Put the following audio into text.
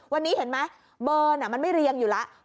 วันนี้เห็นไหมเบอร์น่ะมันไม่เรียงอยู่แล้ว